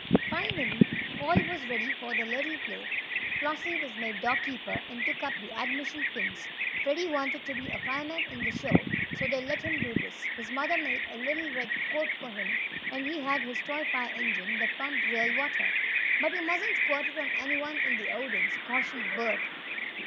Finally all was ready for the little play. Flossie was made door keeper and took up the admission pins. Freddie wanted to be a fireman in the show, so they let him do this. His mother made a little red coat for him, and he had his toy fire engine that pumped real water. "But you mustn't squirt it on anyone in the audience," cautioned Bert.